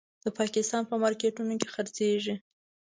د پاکستان په مارکېټونو کې خرڅېږي.